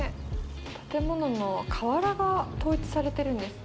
建物の瓦が統一されてるんですね。